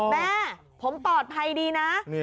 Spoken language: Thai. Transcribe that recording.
แม่ผมปลอดภัยดีนะ